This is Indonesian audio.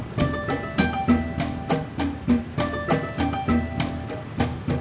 jangan lupa berlangganan ya